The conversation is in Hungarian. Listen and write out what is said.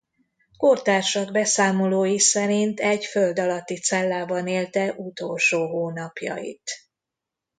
Kortársak beszámolói szerint egy föld alatti cellában élte utolsó hónapjait.